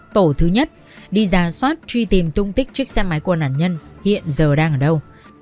tổ thứ nhất đi ra soát truy tìm tung tích chiếc xe máy của nạn nhân hiện giờ đang ở đâu